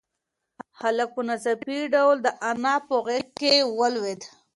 هلک په ناڅاپي ډول د انا په غېږ کې ولوېد.